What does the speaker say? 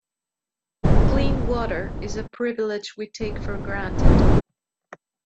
Clean water is a privilege we take for granted.